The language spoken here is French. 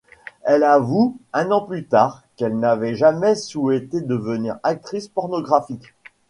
Elle avoue, un an plus tard, qu'elle n'avait jamais souhaité devenir actrice pornographique.